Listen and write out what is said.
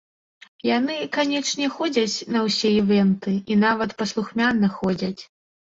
Яны, канечне, ходзяць на ўсе івэнты, і нават паслухмяна ходзяць!